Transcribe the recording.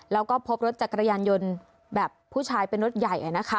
แล้วก็พบรถจักรยานยนต์แบบผู้ชายเป็นรถใหญ่